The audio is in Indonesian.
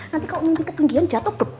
nanti kalau mimpi ketinggian jatuh